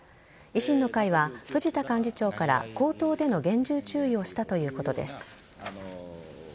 維新の会は藤田幹事長から口頭での厳重注意をしたということです。